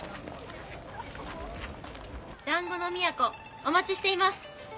「団子のみやこお待ちしています」